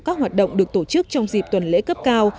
các hoạt động được tổ chức trong dịp tuần lễ cấp cao